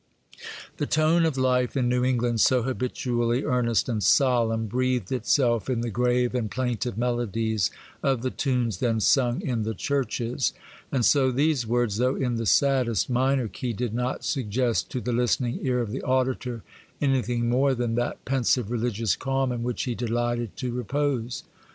The tone of life in New England, so habitually earnest and solemn, breathed itself in the grave and plaintive melodies of the tunes then sung in the churches; and so these words, though in the saddest minor key, did not suggest to the listening ear of the auditor anything more than that pensive religious calm in which he delighted to repose.